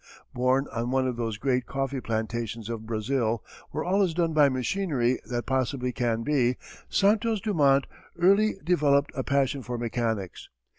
Born on one of those great coffee plantations of Brazil, where all is done by machinery that possibly can be, Santos Dumont early developed a passion for mechanics.